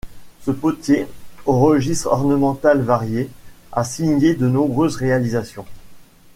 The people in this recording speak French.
Ce potier, au registre ornemental varié, a signé de nombreuses réalisations.